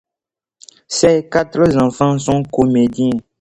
Ses quatre enfants sont comédiens.